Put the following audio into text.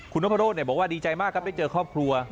คุณนพโรธบอกว่าดีใจมากครับได้เจอครอบครัว